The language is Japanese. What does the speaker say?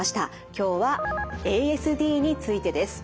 今日はＡＳＤについてです。